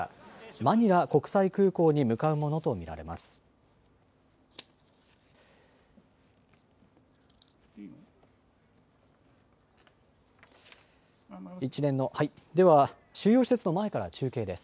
マニラ国際空港に向かうものと見られます。